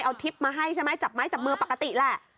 เอาทิพย์มาให้ใช่ไหมจับไม้จับมือปกติแหละ